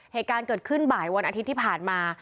เหตุการณ์เกิดขึ้นบ่ายวันอาทิตย์ที่ผ่านมา